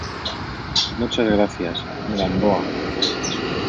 muchas gracias, Gamboa.